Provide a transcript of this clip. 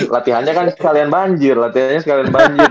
latihan nya kan sekalian banjir latihannya sekalian banjir